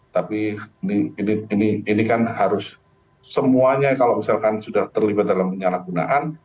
tapi ini kan harus semuanya kalau misalkan sudah terlibat dalam penyalahgunaan